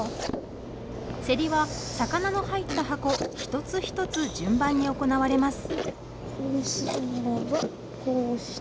競りは魚の入った箱一つ一つ順番に行われます。